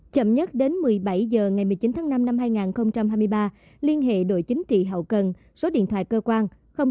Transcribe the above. chậm nhất đến một mươi bảy h ngày một mươi chín tháng năm năm hai nghìn hai mươi ba liên hệ đội chính trị hậu cần số điện thoại cơ quan sáu trăm chín mươi ba một trăm tám mươi bảy năm trăm hai mươi một